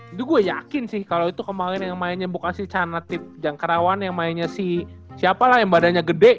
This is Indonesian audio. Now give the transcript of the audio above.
itu gue yakin sih kalau itu kemarin yang mainnya bukan si canatip jangkarawan yang mainnya si siapalah yang badannya gede